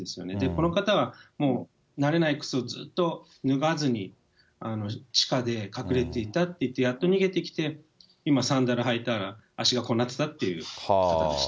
この方はもう、慣れない靴をずっと脱がずに地下で隠れていたっていって、やっと逃げてきて、今サンダル履いたら足がこうなってたっていう方でし